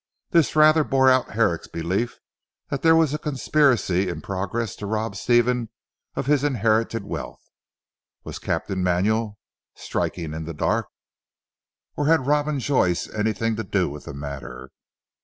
This rather bore out Herrick's belief that there was a conspiracy in progress to rob Stephen of his inherited wealth. Was Captain Manuel striking in the dark? Or had Robin Joyce anything to do with the matter?